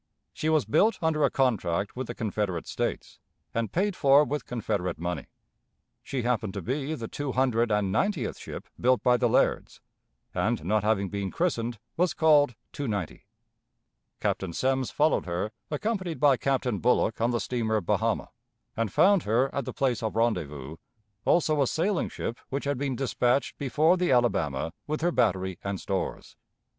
She was built under a contract with the Confederate States, and paid for with Confederate money. She happened to be the two hundred and ninetieth ship built by the Lairds, and, not having been christened, was called 290. Captain Semmes followed her, accompanied by Captain Bullock on the steamer Bahama, and found her at the place of rendezvous, also a sailing ship which had been dispatched before the Alabama with her battery and stores.